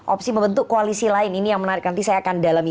opsi membentuk koalisi lain ini yang menarik nanti saya akan dalami